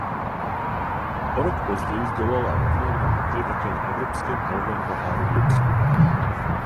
O rok později zdolala rovné dva metry také na evropském halovém poháru v Lipsku.